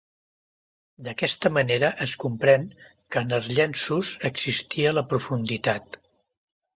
D'aquesta manera es comprèn que en els llenços existia la profunditat.